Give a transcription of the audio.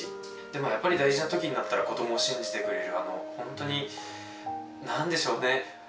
でもやっぱり大事な時になったら子供を信じてくれるホントに何でしょうね。